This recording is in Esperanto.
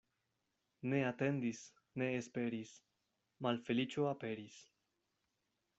Ne atendis, ne esperis — malfeliĉo aperis.